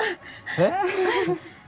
えっ？